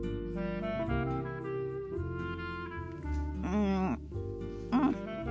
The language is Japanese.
うんうん。